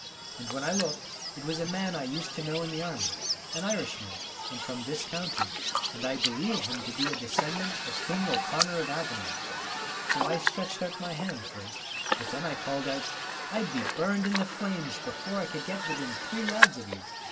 And when I looked it ^ was a man I used to know in the army; an Irishman, and from this county, and I believe him to be a descendant of^King O'Connor of Athenry. ' So I stretched out my hand first, but then I called out, "I'd be burned in the flames before I could get within three yards of you."